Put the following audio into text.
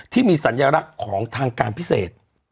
ที่มีสัญลักษณ์ของทางการพิเศษ